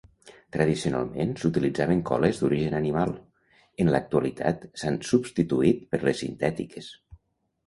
Tradicionalment s'utilitzaven coles d'origen animal, en l'actualitat s'han substituït per les sintètiques.